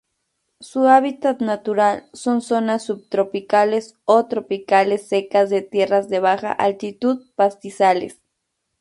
Su hábitat natural son:zonas subtropicales o tropicales secas de tierras de baja altitud pastizales.